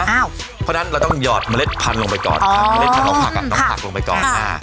เพราะฉะนั้นเราต้องหยอดเมล็ดพันธุ์ลงไปก่อนค่ะเมล็ดพันธุ์ของผักลงไปก่อนค่ะ